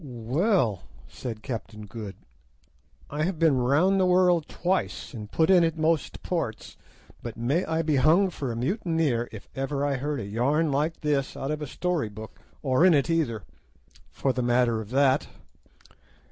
"Well," said Captain Good, "I have been round the world twice, and put in at most ports, but may I be hung for a mutineer if ever I heard a yarn like this out of a story book, or in it either, for the matter of that."